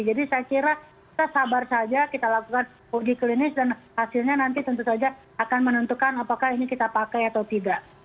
jadi saya kira kita sabar saja kita lakukan uji klinis dan hasilnya nanti tentu saja akan menentukan apakah ini kita pakai atau tidak